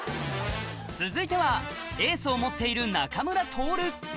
続いてはエースを持っている仲村トオル